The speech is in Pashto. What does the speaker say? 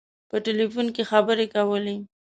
په ټلفون کې خبري کولې.